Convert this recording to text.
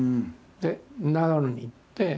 で長野に行って。